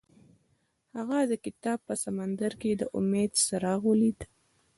هغه د کتاب په سمندر کې د امید څراغ ولید.